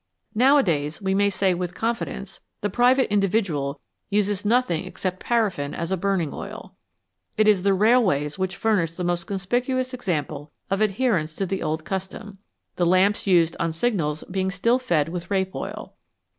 Nowadays, we may say with confidence, the private individual uses nothing except paraffin as a burning oil. It is the railways which furnish the most conspicuous example of adherence to the old custom, the lamps used on 243 FATS AND OILS signals being still fed with rape oil.